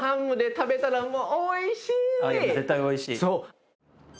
絶対おいしい。